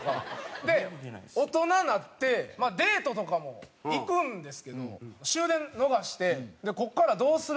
で大人なってデートとかも行くんですけど終電逃してここからどうする？